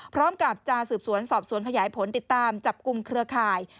พร้อมกับจะสืบสวนสอบสวนขยายผลติดตามจับกลุ่มเครือข่าย